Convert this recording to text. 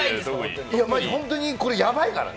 本当にこれやばいからね。